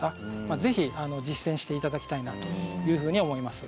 ぜひ実践して頂きたいなというふうに思います。